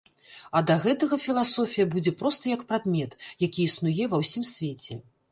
А да гэтага філасофія будзе проста як прадмет, які існуе ва ўсім свеце.